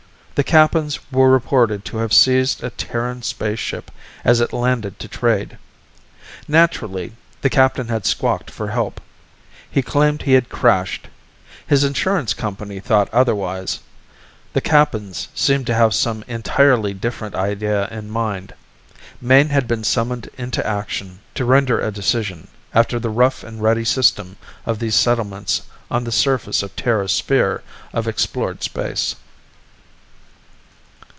The Kappans were reported to have seized a Terran spaceship as it landed to trade. Naturally, the captain had squawked for help. He claimed he had crashed; his insurance company thought otherwise; the Kappans seemed to have some entirely different idea in mind. Mayne had been summoned into action to render a decision, after the rough and ready system of these settlements on the surface of Terra's sphere of explored space.